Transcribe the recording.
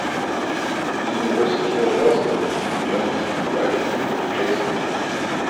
The University of Rostock in East Germany provided him with a placement.